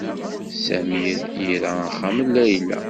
Sami ira axxam n Layla.